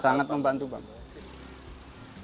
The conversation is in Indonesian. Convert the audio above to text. sangat membantu bang